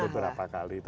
tapi beberapa kali